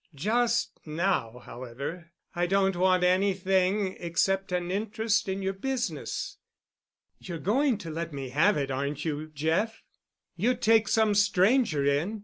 Just now, however, I don't want anything except an interest in your business. You're going to let me have it, aren't you, Jeff? You'd take some stranger in.